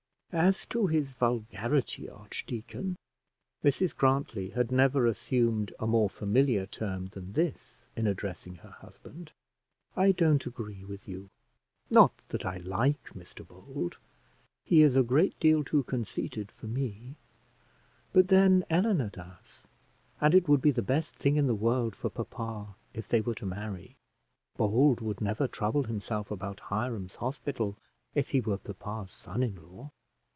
"As to his vulgarity, archdeacon" (Mrs Grantly had never assumed a more familiar term than this in addressing her husband), "I don't agree with you. Not that I like Mr Bold; he is a great deal too conceited for me; but then Eleanor does, and it would be the best thing in the world for papa if they were to marry. Bold would never trouble himself about Hiram's Hospital if he were papa's son in law."